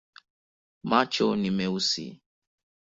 Macho ni meusi.